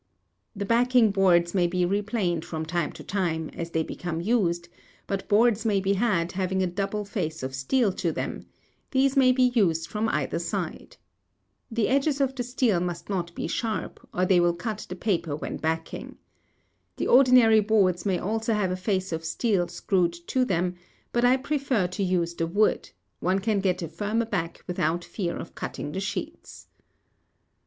The backing boards may be replaned from time to time, as they become used, but boards may be had having a double face of steel to them; these may be used from either side. The edges of the steel must not be sharp, or they will cut the paper when backing. The ordinary boards may also have a face of steel screwed to them, but I prefer to use the wood—one can get a firmer back without fear of cutting the sheets. [Illustration: Two edged Backing Boards.